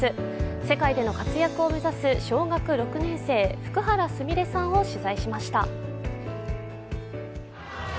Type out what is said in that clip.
世界での活躍を目指す小学６年生、福原菫さんを取材しました。